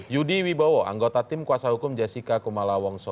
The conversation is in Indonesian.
yudi wibowo anggota tim kuasa hukum jessica kemalawongso